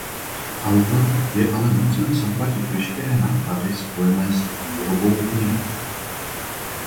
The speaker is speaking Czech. Autor je ale nucen zaplatit veškeré náklady spojené s „výrobou“ knihy.